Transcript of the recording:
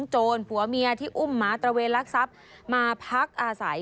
โจรผัวเมียที่อุ้มหมาตระเวนลักทรัพย์มาพักอาศัย